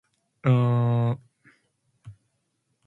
For other famous Jewish Americans, see List of Jewish Americans.